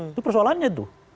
itu persoalannya tuh